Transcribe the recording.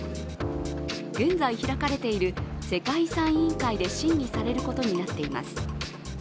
現在開かれている世界遺産委員会で審議されることになっています。